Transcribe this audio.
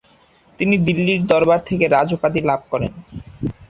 তিনি দিল্লীর দরবার থেকে রাজ উপাধি লাভ করেন।